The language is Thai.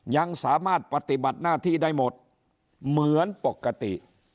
ยังสามารถปฏิบัติหน้าที่ได้หมดเหมือนปกติ